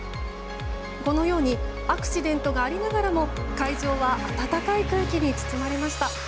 このようにアクシデントがありながらも会場は温かい空気に包まれました。